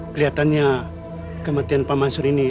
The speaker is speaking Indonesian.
kelihatannya kematian pak mansur ini